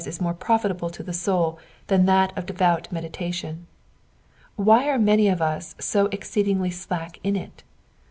37 is more profitable to the soul than that of devout meditation ; why are many of us 80 exceeding slack in it